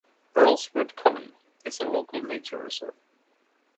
Earlswood Common is a Local Nature Reserve.